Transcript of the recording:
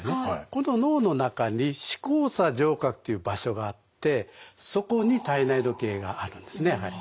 この脳の中に視交叉上核という場所があってそこに体内時計があるんですねやはり。